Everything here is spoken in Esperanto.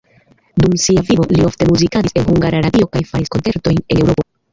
Dum sia vivo li ofte muzikadis en Hungara Radio kaj faris koncertojn en Eŭropo.